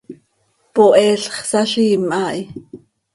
Poheel x, saziim haa hi.